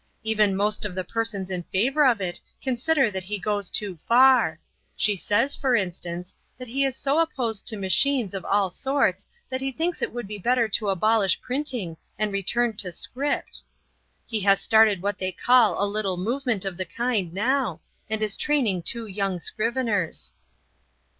Even most of the persons in favor of it consider that he goes too far. She says, for instance, he is so opposed to machines of all sorts that he thinks it would be better to abolish printing and return to script. He has started what they call a little movement of the kind now, and is training two young scriveners."